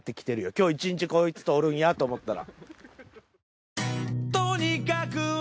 今日１日こいつとおるんやと思ったら。